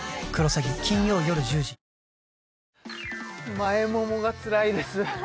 前ももがつらいです